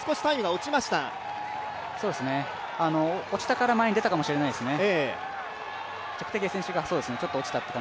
落ちたから前に出たかもしれないですね。